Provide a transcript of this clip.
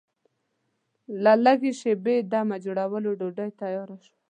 له لږ شېبې دمه جوړولو ډوډۍ تیاره شوه.